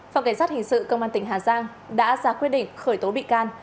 phòng cảnh sát hình sự công an tỉnh hà giang đã ra quyết định khởi tố bị can